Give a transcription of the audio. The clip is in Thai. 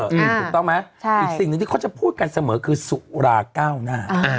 ถูกต้องไหมอีกสิ่งหนึ่งที่เขาจะพูดกันเสมอคือสุราเก้าหน้า